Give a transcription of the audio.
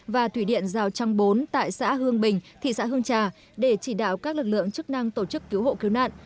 và thủy điện rào trăng bốn tại xã hương bình thị xã hương trà để chỉ đạo các lực lượng chức năng tổ chức cứu hộ cứu nạn